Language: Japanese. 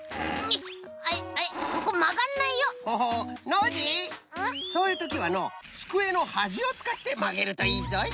ノージーそういうときはのうつくえのはじをつかってまげるといいぞい。